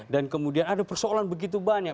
dan kemudian ada persoalan begitu banyak